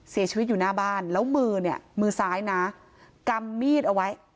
เสียชีวิตอยู่หน้าบ้านแล้วมือเนี่ยมือซ้ายนะกำมีดเอาไว้